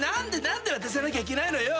何で渡さなきゃいけないのよ！